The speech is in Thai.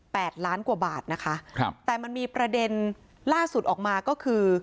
ล้านกว่าบาทนะคะครับแต่มันมีประเด็นล่าสุดออกมาก็คือ